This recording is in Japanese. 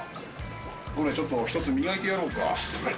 どれ、ちょっとひとつ、磨いてやろうか。